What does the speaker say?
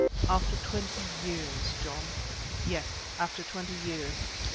"After twenty years, John?" "Yes, after twenty years.